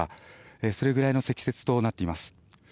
それぐらいの積雪となっています。